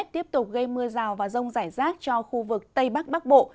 tiếp tục gây mưa rào và rông rải rác cho khu vực tây bắc bắc bộ